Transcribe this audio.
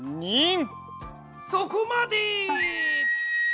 そこまで！